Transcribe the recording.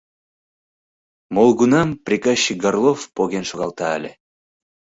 Молгунам приказчик Горлов поген шогалта ыле.